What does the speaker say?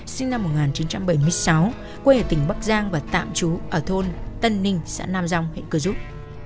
sinh năm một nghìn chín trăm bảy mươi sáu quê ở tỉnh bắc giang và tạm trú ở thôn tân ninh xã nam răng hệ cơ giúp